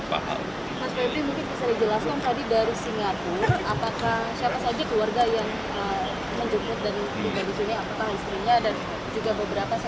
mas pemir mungkin bisa dijelaskan tadi dari singapura apakah siapa saja keluarga yang menjemput dan juga di sini apakah istrinya dan juga beberapa saya lihat ada sepertian besar